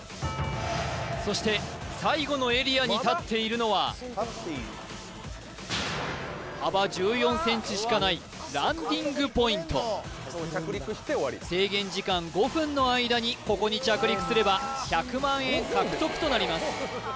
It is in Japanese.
そして最後のエリアに立っているのはしかないランディングポイント制限時間５分の間にここに着陸すれば１００万円獲得となります